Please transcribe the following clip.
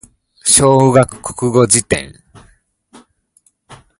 小学国語辞典